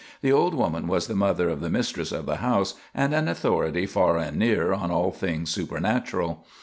The old woman was the mother of the mistress of the house, and an authority far and near on all things supernatural.